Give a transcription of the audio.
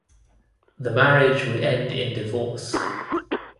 The marriage would end in divorce.